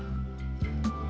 adalah kain yang